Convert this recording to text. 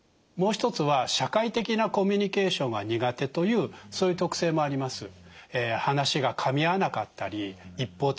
もう一つは社会的なコミュニケーションが苦手というそういう特性もあります。